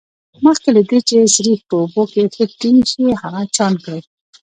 مخکې له دې چې سريښ په اوبو کې ښه ټینګ شي هغه چاڼ کړئ.